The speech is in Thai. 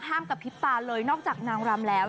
กระพริบตาเลยนอกจากนางรำแล้ว